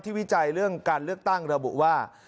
วิจัยเรื่องการเลือกตั้งระบุว่า